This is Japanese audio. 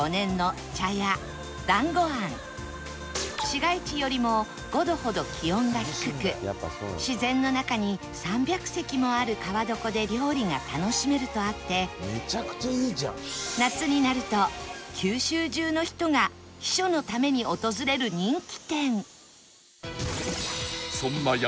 市街地よりも５度ほど気温が低く自然の中に３００席もある川床で料理が楽しめるとあって夏になると九州中の人が避暑のために訪れる人気店